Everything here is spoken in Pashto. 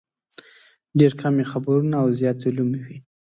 ډېر کم یې خبرونه او زیات یې لومې وي.